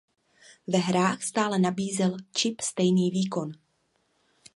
Ve hrách stále nabízel čip stejný výkon.